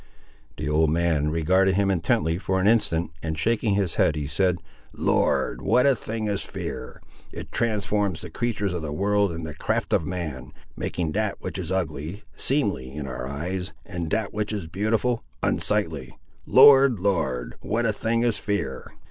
The old man regarded him intently for an instant, and shaking his head he said— "Lord, what a thing is fear! it transforms the creatur's of the world and the craft of man, making that which is ugly, seemly in our eyes, and that which is beautiful, unsightly! Lord, Lord, what a thing is fear!"